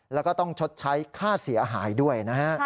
แล้วก็ต้องชดใช้ค่าเสียหายด้วยนะฮะ